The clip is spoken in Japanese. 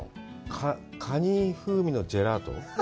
カニ風味のジェラート？